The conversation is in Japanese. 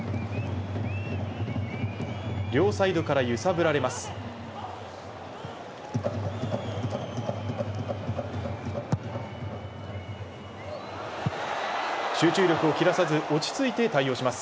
両サイドから揺さぶられます。